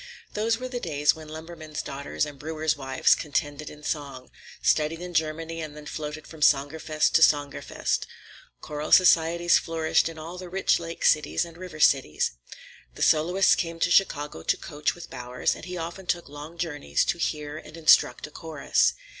Those were the days when lumbermen's daughters and brewers' wives contended in song; studied in Germany and then floated from Sängerfest to Sängerfest. Choral societies flourished in all the rich lake cities and river cities. The soloists came to Chicago to coach with Bowers, and he often took long journeys to hear and instruct a chorus.